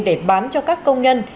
để bám cho các công nhân